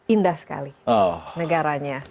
indah sekali negaranya